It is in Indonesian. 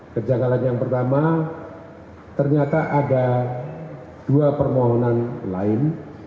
kejanggalan yang pertama ternyata ada dua permohonan lain